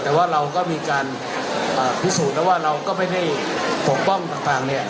แต่ว่าเราก็มีการพิสูจน์แล้วว่าเราก็ไม่ได้ปกป้องต่างเนี่ย